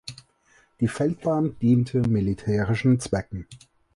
Die Feldbahn diente militärischen Zwecken.